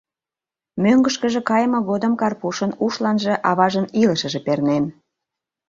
Мӧҥгышкыжӧ кайыме годым Карпушын ушланже аважын илышыже пернен...